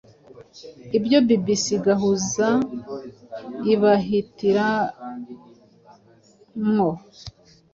ibyo bbc gahuza ibahitiramwo